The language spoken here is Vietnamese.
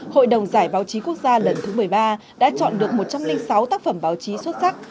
hội đồng giải báo chí quốc gia lần thứ một mươi ba đã chọn được một trăm linh sáu tác phẩm báo chí xuất sắc